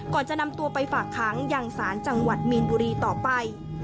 ก่อนจะนำตัวไปฝากค้างยังสารจังหวัดมีนบุรีต่อไป